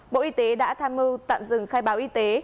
bộ y tế đã tham mưu tạm dừng khai báo y tế